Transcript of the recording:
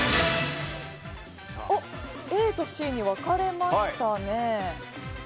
ＡとＣに分かれましたね。